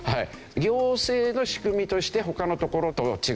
行政の仕組みとして他のところと違う。